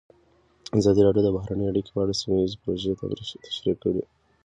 ازادي راډیو د بهرنۍ اړیکې په اړه سیمه ییزې پروژې تشریح کړې.